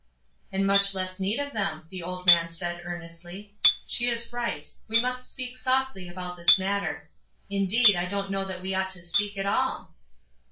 "And much less need of them," the old man said, earnestly. "She is risrht. We must speak softly about this matter. Indeed, I don't know that w T e ought to speak at all."